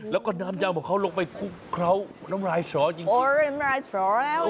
แล้วก็น้ำจำของเขาลงไปคุกเคราะห์น้ำรายชอจริงจริงโอ้ยน้ำรายชอแล้ว